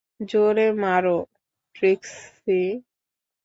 জোরে মারো, ট্রিক্সি।